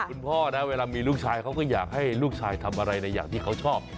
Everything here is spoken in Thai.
คุณพ่อนะเวลามีลูกชายเขาก็อยากให้ลูกชายทำอะไรในอย่างที่เขาชอบ